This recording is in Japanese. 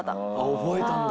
覚えたんだ。